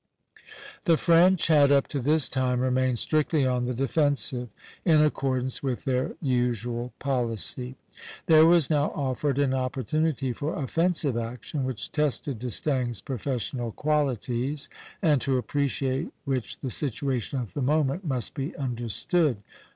The French had up to this time remained strictly on the defensive, in accordance with their usual policy. There was now offered an opportunity for offensive action which tested D'Estaing's professional qualities, and to appreciate which the situation at the moment must be understood.